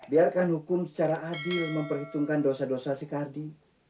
biarkan hukum secara adil memperhitungkan dosa dosa si kardi